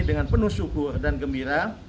dengan penuh syukur dan gembira